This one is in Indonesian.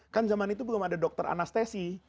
kan zaman itu belum ada dokter anestesi